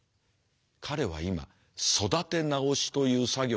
彼は今育て直しという作業のただ中だ。